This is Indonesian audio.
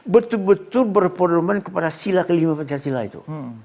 betul betul berponormen kepada sila kelima pencah sila itu